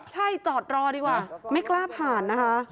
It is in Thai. ใช่จอดรอดีกว่าไม่กล้าผ่านนะคะ